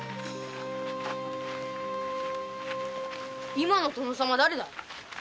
今の殿様はだれだい？